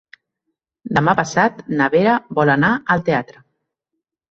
Demà passat na Vera vol anar al teatre.